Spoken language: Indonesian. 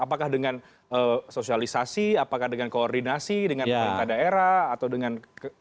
apakah dengan sosialisasi apakah dengan koordinasi dengan pemerintah daerah atau dengan